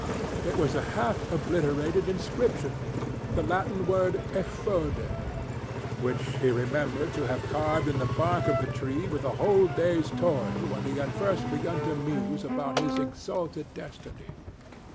It was a half obliterated inscription—the Latin word "Effode"—which he remembered to have carved in the bark of the tree with a whole day's toil when he had first begun to muse about his exalted destiny.